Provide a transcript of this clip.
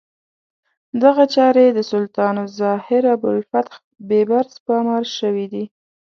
دغه چارې د سلطان الظاهر ابوالفتح بیبرس په امر شوې دي.